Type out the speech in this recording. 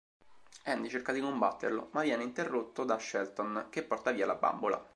Andy cerca di combatterlo, ma viene interrotto da Shelton, che porta via la bambola.